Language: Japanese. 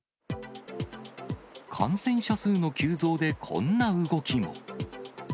感染者数の急増でこんな動きも。